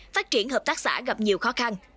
phát triển hợp tác xã gặp nhiều khó khăn